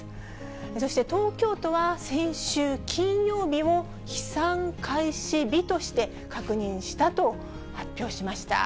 そして東京都は先週金曜日を飛散開始日として、確認したと発表しました。